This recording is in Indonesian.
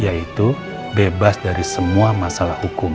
yaitu bebas dari semua masalah hukum